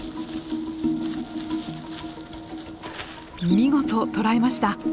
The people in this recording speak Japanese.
見事捕らえました！